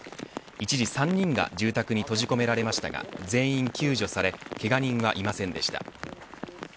一時３人が住宅に閉じ込められましたが全員救助されけが人はいませんでした。